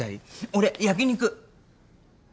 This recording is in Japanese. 俺焼き肉。